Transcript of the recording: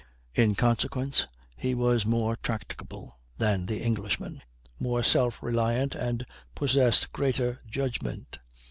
In consequence, he was more tractable than the Englishman, more self reliant, and possessed greater judgment.